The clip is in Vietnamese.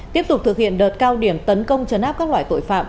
tiếp tục thực hiện đợt cao điểm tấn công trấn áp các loại tội phạm